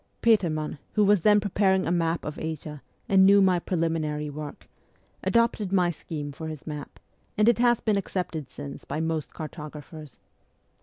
Petermann, who was then preparing a map of Asia, and knew my preliminary work, adopted my scheme for his map, and it has been accepted since by most cartographers.